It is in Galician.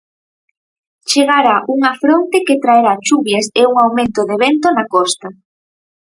Chegará unha fronte que traerá chuvias e un aumento de vento na costa.